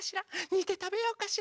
にてたべようかしら？